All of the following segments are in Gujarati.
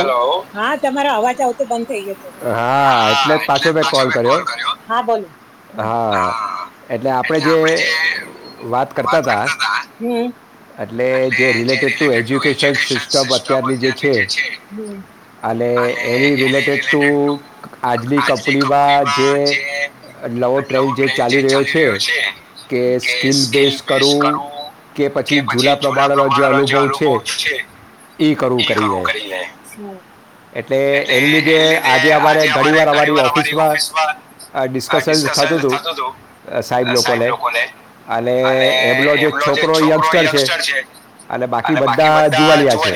હલો હા તમારો અવાજ આવતો. તો પણ. હા એટલેજ પાછો કોલ કર્યો. આલે એલી રિલેટેડ. ટું આજની કપલ માં જે લવ ટ્રેલ જે ચાલી રહ્યો છે. કે સ્કીલ બેઝ કરવું કે પછી. જૂના પ્રમાણનો જે અનુભવ છે. એ કરવું.? કરીને. [inaudible] એટલે એની લીધે. આજે અમારે ઘણીવાર અમારી ઓફિસમાં ડિસ્કસન થતું હતું સાહેબ લોકોને અને એમનો જે છોકરો યંગસ્ટર છે અને બાકી બધા જુવાનિયા છે.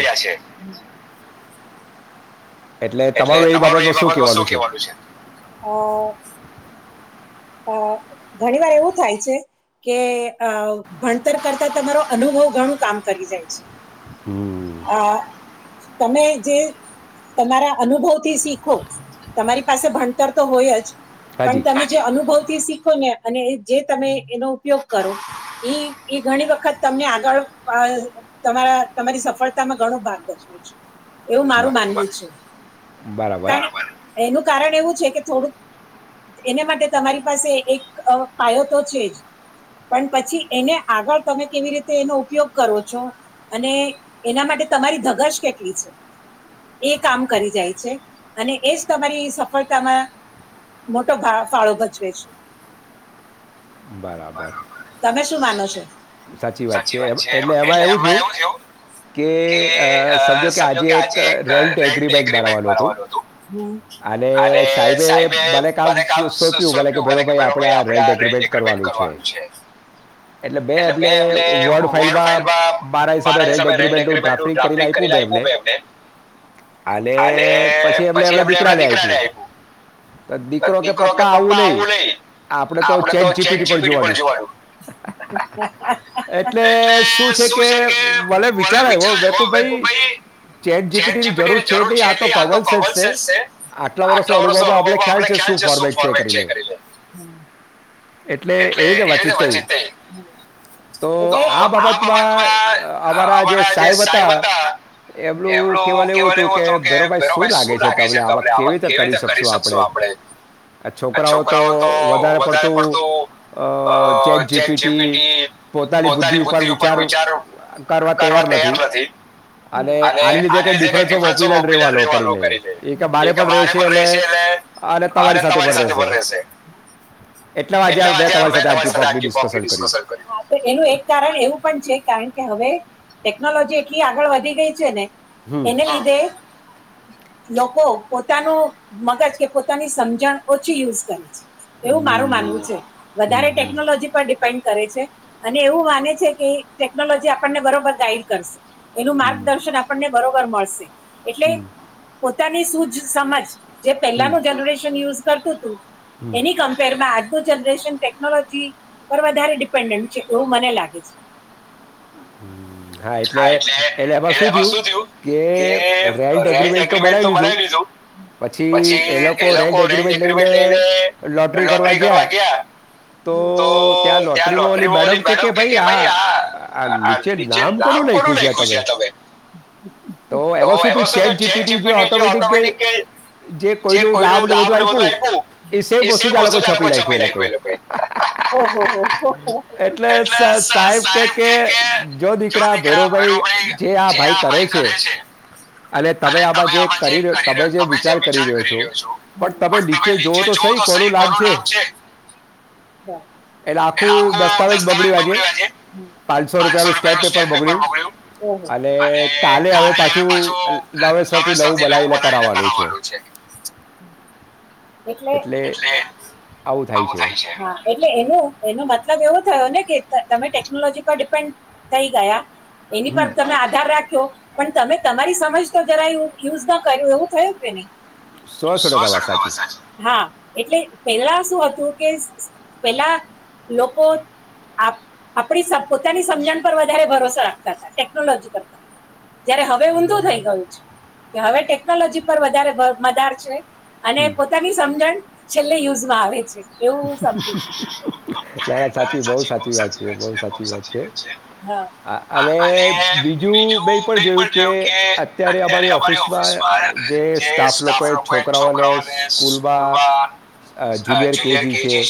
એટલે તમારું એ બાબતમાં શું કેવાનું છે. અ ઘણી વાર એવું થાય છે કે અ ભણતર કરતા તમારો અનુભવ ઘણું કામ કરી જાય છે. હમ. તમે જે તમારા. અનુભવ થી શીખો તમારી પાસે ભણતર તો હોય જ. પણ તમે જે અનુભવ થી શીખ. ો ને અને જે તમે એનો ઉપયોગ કરો એ એ ઘણી વખત તમને આગળ તમારા તમારી સફળતામાં ઘણો ભાગ ભજવે છે એવું મારું માનવું છે. બરાબર. કારણ એવું છે કે થોડુંક એના માટે તમારી પાસે એક પાયો તો છે જ પણ પછી એને આગળ તમે કેવી રીતે એનો ઉપયોગ કરો છો અને એના માટે તમારી ધગશ કેટલી છે એ કામ. કરી જાય છે અને એ જ તમારી સફળતામાં મોટો ફાળો ભજવે છે. બરાબર છે સાચી વાત છે એટલે એમાં એવું થયું કે સમજો કે આજે એક રેન્ટ એગ્રીમેન્ટ સાબ મને કામ સોંપ્યું કે રેગરી મેન્ટ કરવાનુંછે મે એમ વોડ ફાઈલ મારા હિસાબે રે એગ્રીમેન્ટ જાતે કરી આપ્યું મેં એમને અને પછી એમ એમણા દીકરાને આપ્યું દીકરો કે પપ્પા આવું નઈ આપડે તો ચેટ જીપીડી પણ જોવાયું એટલે શું છે કે મલે વિચાર વેકુભાઈ ચેટ જીપીટી જર છે આટલા વર્ષો અનુભવ આપ ખ્યાલ છે શું ફોમેે કરી લે એટલે એવીીતે વાંચિત [unintelligible] તો આ બાબતમાં અમારા જે સાહેબ હતા, એમલું કેવા કહેવા એવું હત કે ભેરો ભાઈ શું લાગે છે આ વાત કેવી રીતે કરી શકશું આપડે આ છોકરાઓ તો વધારે પડતું અ ચક જેપી [unintelligible] પોતાની બુદ્ધિ ઉપર વિચાર કરવા તૈયાર નથી, અને આની લીધે કઈ ડિફરન્સ ઓપયવા કરીે મારે પણ રશે એટ અને તમારી સાથે પણ રશે એટલા માટેે મે તમારી [unintelligible] હા તો એનું એક કારણ એવું પણ છે કારણ કે હવે ટેકનોલોજી એટલી આગળ વધી ગઈ છે ને. એને લીધે લોકો પોતાનું મગજ કે પોતાની સમજણ ઓછી યુઝ કરે છે. એવું મારું માનવું છે, વધારે ટેકનોલોજી પર ડિપેન્ડ કરે છે, અને એવું માને છે કે ટેકનોલોજી આપણને બરોબર ગાઈડ કરશે. એનું માર્ગદર્શન આપણને બરોબ ર મળશે. એટલે તની સૂજ સમજ જે પહેલાનું જનરેશન યુઝ કરતો તું. એની કમ્પેર માં આ જનરેશન ટેકનોલોજી પર વધારે ડિપેન્ડન્ટ છે એવું મને લાગે છે. હ હા એટલે એટલેમાં શું થયું કે રેન્ટ એગ્રીમેન્ટ તો બનાવી લીધું પછી એ લોકો રેન્ટ એગ્રીમેન્ટ લઈને લોટરી કરવા ગયા તો ત્યાં લોટરી વાલી મેડમ કે ભાઈ હા [unintelligible] આ નીચે નામ કોનું લખું છે આ તમે? [unintelligible] તો હ વતુ થયું ચેક જીપી ઓટોમેટિક કે જે કોઈલ લાભ ને બધું આપ્યું એ સે વસ્તુ ચ લોકો છપી નાખ્યું એ લોકો [unintelligible] એટલે સાહેબ કે કે જો દીકરા ભૈરોવ ભાઈ જે આ ભાઈ કરે છે. છે. અને તમે આમાં જે કરી તમે જે વિચાર કરી રહ્યો છો, પણ તમે નીચે જવો તો સહી કોનું નામ છે. એટલે આખું દસ્તાવેજ બગડ્યું આજે, પાંચસો રૂપિયાનું સ્ટેપ પેપર બગડ્યું, અને કાલે હવે પાછું થી લવું બનાવીને કરું છે એલે આવું થાય છે એ [unintelligible] એનો મતલબ એવો થયો ને કે તમે ટેકનોલોજી પર ડિપેન્ડ થઈ ગયા. એની પર તમે આધાર રાખ્યો. પણ તમે તમારી સમજ તો જરા યુઝ ના કર્યું એવું થયું કે નહી. [unintelligible] હા એટલે પેલા શું હતું. કે પેલા લોકો આપ આપણી પોતાની સમજણ પર વધારે ભરોસાો રાખતા હતા ટેકનોલોજી કરતા જયારે હવે ઊંધું થઈ ગયું. કે હવે ટેકનોલોજી પર વધારે મદાર છે. અને પોતાની સમજણ છેલ્લે યુઝમાં આવે છે. એવું હુ સમજુ છુ હ. અત્યારે અમારી ઓફિસમાં જે સ્ટાફ લોકો છોકરાઓને સ્કૂલમાં જો કેજી છે,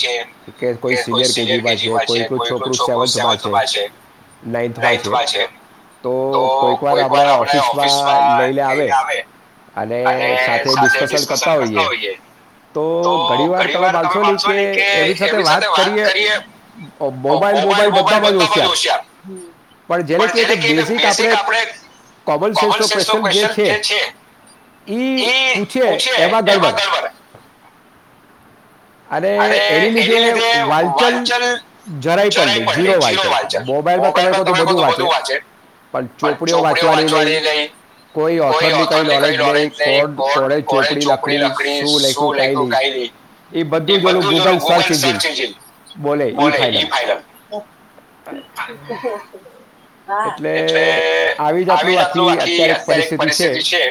કે કોઈ સિનિયર કેજીમાં છે, કોઈકલું છોકરું સેવન્થમાં છે, નાઇન્થમાં છે તો કોઈકવાર આપણે ઓફિસમાં લઈ લે આવે અને સાથે ડિસ્કસન કરતા હોઈએ તો ઘણી વાર તમે મા ની સાથે વાત કરી મોબાઈલબાઈલ બધા જેને ક બેસિક આપણે કો ્ન જે છે પૂછે એમાં ગરબડ અને એની લીધે વાંચલ જરાય પણ લઈ ઝીરો વાંચલ મોબાઈલમાં તમે કહો તો બધું વાંચે પણ ચોપડીઓ વાંચવાની લઈ કોઈ ઓથરની કઈ નૉલેજ નઈ કોડ કોડજ ચોપડી લકડી શું લેખું કઈની. એ બધું જ ઓલું ગૂગલ સર્ચ ઇ બોલે ઈ ફાઈનલ હા એટલે આવી જ આટલું વા અત્યારે એક પરિસ્થિતિ છે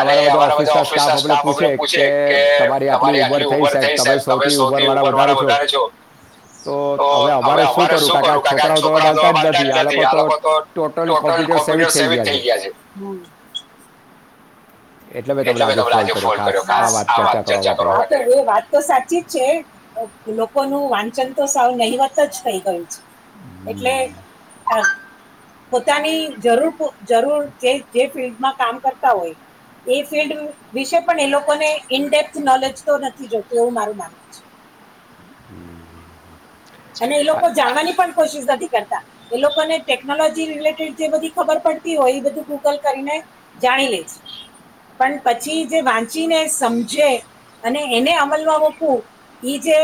અને અમારા બધા ઓફિસ ના સ્ટાફ અમને પૂછે કે તમારી આટલી ઉભર થઈ સાહેબ તમે સૌથી ઉભર વાળા વધારે છ તો હ અમારે શું કરું. કાર કે આ છોકરાઓ તમે આ લોકો તો ટોટલ કોમ્પ્યુટર સેવી સેબિત થઈ ગયા છે. એટલે મે તને આજે ફોન કર્યો. ખાસ આ વાત ચર્ચા કરવા માટે. હા વાત તો સાચી છે. લોકોનું વાંચન તો સાવ નહીવત જ થઈ ગયું છે. એટલે પોતાની જરૂર જરૂર જે ફિલ્ડમાં કામ કરતા હોય એ ફિલ્ડ વિશે પણ એ લોકોને ઇન ડેપ્થ નોલેજ તો નથી જોતું એવું મારું માનવું છે. અને એ લોકો જાણવાની પણ કોશિશ નથી કરતા એ લોકોને ટેકનોલોજી રિલેટેડ જે બધી ખબર પડતી હોય એ બધું ગૂગલ કરીને જાણી લે છે. પણ પછી જે વાંચીને સમજે અને એને અમલમાં મકવું જે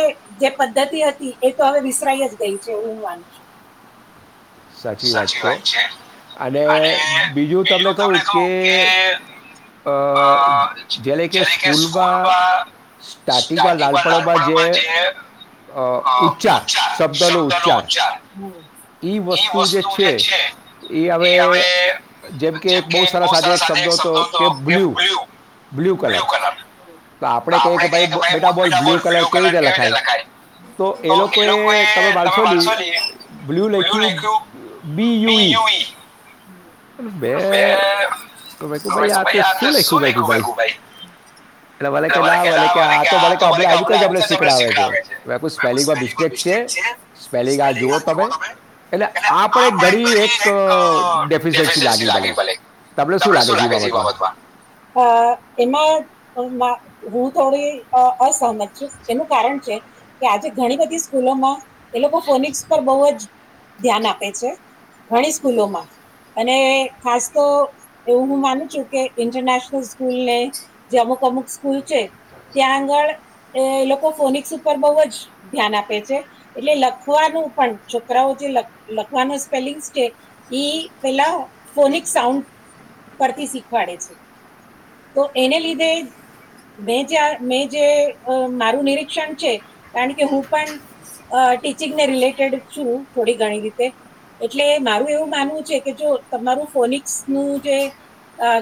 જે પદ્ધતિ હતી એ તો હવે વિસરાઈ જ ગઈ છે. એવું હું માનું છું. સાચી વાત છે. અને બીજું તમને કહું કે અ જે્યારે કે સ્કૂલમાં સ્ટાર્ટિંગમાં લાલપણમાં જે ઉચ્ચાર શબ્દ નો ઉચ્ચાર વસ્તુ છે એ હવે જેમ કે બહુ સારા સાથે એક શબ્દ હતો કે બ્લુ બ્લુ કલર તો આપડે કહી કે ભાઈીા બોલ બ્લુ કલર કેવી રીતે લખાય તો એ લોકો એ તમે માનશો નહીં blue blue B U E, મેં કહું આ ભાઈ શું લેખું [unintelligible] ભાઈ. અને મને કહે, મને કહે આ તો મારી કામનો લાગે એટલા માટે સિખડાવે છે. મેં પૂછું કે એમ કઈ સ્પેલિંગ માં મિસ્ટેક્સ છે. સ્પેલિંગ આ જોવો તમે. આ પણ એક ઘડી એક ડેફિસયન્સી લાગી મલે. તમને શું લાગે છે એ બાબતમાં? હું થોડી અસહમત છું. એનું કારણ છે કે આજે ઘણી બધી સ્કૂલોમાં એ લોકો ફોનિકસ પર બહ જ ધ્યાન આપે છે. ઘણી સ્કૂલોમાં અને ખાસ તો એવું હું માનું છું કે ઇન્ટરનેશનલ સ્કૂલને જે અમુક અમુક સ્કૂલ છે ત્યાં આગળ એ એ લોકો ફોનિક્સ ઉપર બહુ જ ધ્યાન આપે છે એટલે લખવાનું પણ છોકરાઓ જે લખ લખવાનો સ્પેલિંગ છે. પેલા ફોનિક સાઉન્ડ પરથી શીખવાડે છે. તો એને લીધે મેં જ મેં જે મારું નિરીક્ષણ છે કારણ કે હું પણ અ ટીચિંગને રિલેટેડ છું થોડી ઘણી રીતે એટલે મારું એવું માનવું છે કે જો તમારું ફોનિક્સનું જે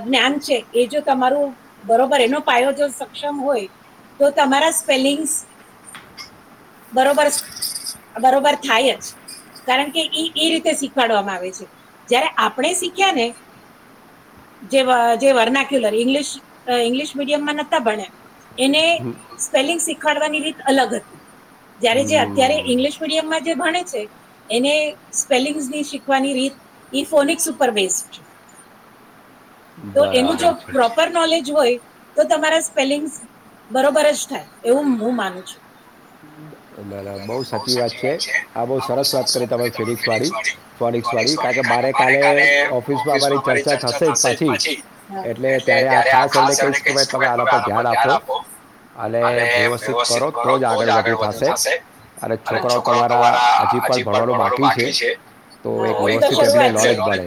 જ્ઞાન છે એ જો તમારું બરોબર એનો પાયો જો સક્ષમ હોય તો તમારા સ્પેલિંગસ બરોબર બરોબર થાય જ કારણ કે એ રીતે શીખવાડવામાં આવે છે જયારે આપણે શીખ્યા ને જે વર્ના [unintelligible] ઇંગ્લિશ અ ઈંગ્લીશ મીડિમ માં નથીતા ભણે. એને સ્પેલિંગ શીખ સિકડવાની રીત અલગ હતી. જ્યારે જે અત્યારે ઇંગ્લિશ મીડિયમમાં જે ભણે છે એને સ્પેલિંગ્ની શીખવાની રીત ઈ ફોનિક સુપર બેસ્ટ છે. બરાબર છે. પ્રોપર નોલેજ હોય. તો તમારા સ્પેલિંગ બરોબર જ થાય એવું હું માનું છું. બહુ સાચી વાત છે આ બહુ સરસ વાત કરી તમે ફિનિક્સ વાળી ફોનિક્સ વાળી કારણ કે મારે કાલે ઓફિસમાં અમારી ચર્ચા થશે જ પાછી એટલે ત્યારે આ ખાસ એમને કહીશ કે ભાઈ તમે આના પર ધ્યાન આપો અને વ્યવસ્થિત કરો તો જ આગળ વધો. અને છોકરા તમારા હજી પણ ભવાનું બાકી છે હ જી તો સુરૂઆત છે હજી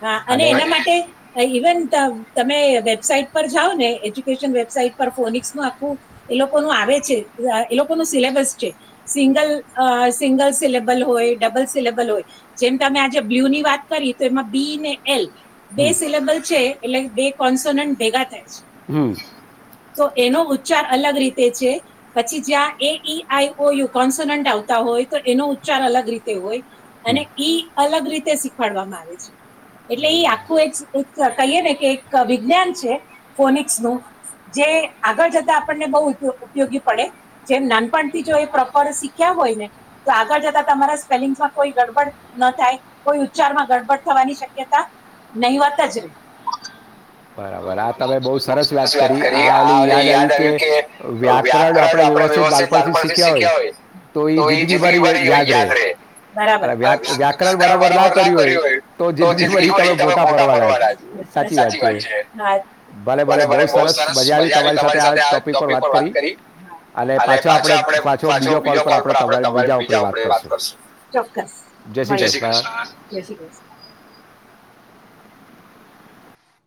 હ અને એના માટે ઇવન. તમે વેબસાાઈટ પર જાઓ ને એજ્યુકેશન વેબસાાઈટ પર ફોનિકસ નું આખું એ લોકોનું આવે છે એ લોકો ન સિલેબસ છે સિંગલ અ સિંગલ સિલેબલ હોય ડબલ સિલેબલ હોય જેમ તમે આજે બ્લુ ની વાત કરી તો એમાં. બીને. એલ બે સિલેબલ છે. એટલે બે કોન્સોનન્ટ ભેગા થાય. તો એનો ઉચ્ચાર અલગ રીતે. તે છે પછી જ્યાં એઈ આઈઓય કોન્સનન્ટ આવતા હોય તો એનો ઉચ્ચાર અલગ રીતે હોય. અને ઈ અલગ રીતે શી. ઉખાડવામા આવે છે. એટલે ઈ આખું એ જ. એક કહીએ ને કે એક વિજ્ઞાન છે ફોનિક્સ નું જે આગળ જતાં આપણને બહુ ઉપયોગી પડે જેમ નાનપણથી જો એ પ્રોપર શીખ્યા હોય ને તો આગળ જતા તમારા સ્પેલિંગમાં કોઈ ગડબડ ન થાય કોઈ ઉચ્ચારમાં ગડબડ. થવાની શક્યતા નહી હોતજ બરાબર હા તમે બહ સરસ વાત કરી આ યાદ આવ્યું કે વ્યાકરણ આપડે વ્યવસ્થિત લાલપણથી શીખ્યા હોય તો એ જિંદગી ભર યાદ રહે બરાબર વ્યાકરણ બરાબર ના કર્યું હોય. તો જંદગી ખબર એ તમે ગોટા ફરવાના સાચી વાત છે. હા ભલે ભલે બો સરસ મજા આવી તમારી સાથે આ ટોપિક પર વાત કરી અને પાછા આપડે પાછો બીજો કોલ પર આપ તમારે બીજા ઉપડે વાત કરશું ચોક્કસ ભલે જય શ્રી કૃષ્ણ જય શ્રી કૃષ્ણ.